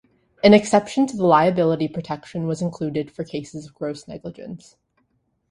An exception to the liability protection was included for cases of gross negligence.